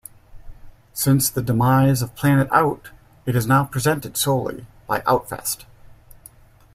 Since the demise of PlanetOut, it is now presented solely by Outfest.